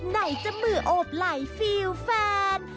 ไหนจะมือโอบไหล่ฟิลแฟน